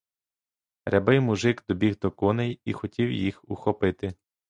Рябий мужик добіг до коней і хотів їх ухопити.